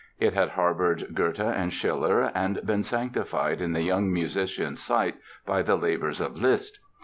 It had harbored Goethe and Schiller and been sanctified in the young musician's sight by the labors of Liszt.